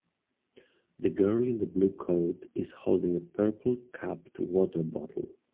The girl in the blue coat is holding a purple capped water bottle.